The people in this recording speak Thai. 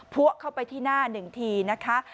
พวกเข้าไปที่หน้าหนึ่งทีนะคะ